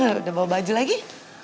udah bawa baju lagi